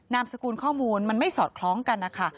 นามสกุลข้อมูลมันไม่สอดคล้องกันนะคะ